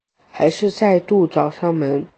还是再度找上门